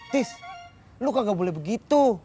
tis lu kagak boleh begitu